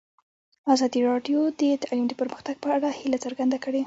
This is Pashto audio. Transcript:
ازادي راډیو د تعلیم د پرمختګ په اړه هیله څرګنده کړې.